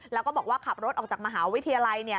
แล้วก็บอกว่าขับรถออกจากมหาวิทยาลัยเนี่ย